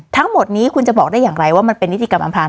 ทั้งหมดนี้คุณจะบอกได้อย่างไรว่ามันเป็นนิติกรรมอำพลาง